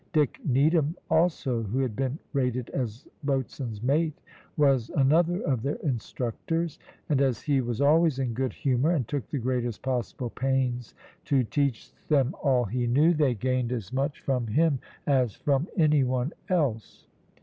Dick Needham, also, who had been rated as boatswain's mate, was another of their instructors; and as he was always in good humour, and took the greatest possible pains to teach them all he knew, they gained as much from him as from any one else.